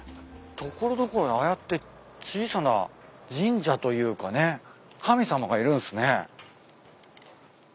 所々にああやって小さな神社というかね神様がいるんすね。